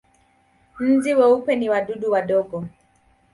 Nzi weupe ni wadudu wadogo.